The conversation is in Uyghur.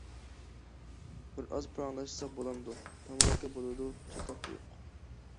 بىر ئاز پاراڭلاشساق بولامدۇ؟ تاماكا: بولىدۇ، چاتاق يوق.